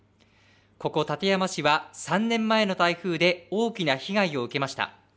ここ館山市は３年前の台風で大きな被害を受けました。